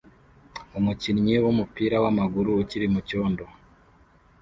Umukinnyi wumupira wamaguru ukiri mucyondo